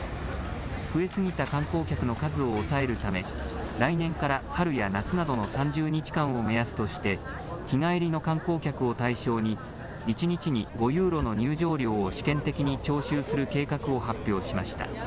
増えすぎた観光客の数を抑えるため来年から春や夏などの３０日間を目安として日帰りの観光客を対象に一日に５ユーロの入場料を試験的に徴収する計画を発表しました。